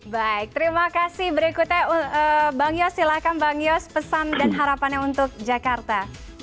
baik terima kasih berikutnya bang yos silahkan bang yos pesan dan harapannya untuk jakarta